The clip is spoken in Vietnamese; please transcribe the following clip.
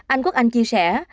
anh quốc anh chia sẻ